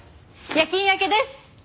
夜勤明けです。